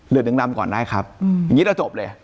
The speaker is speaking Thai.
เดือนหนึ่งลำก่อนได้ครับอย่างนี้เราจบเลย